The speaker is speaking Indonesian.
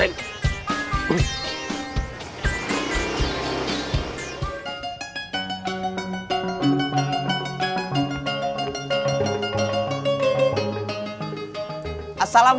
apa yang k subscribe kum diserang ya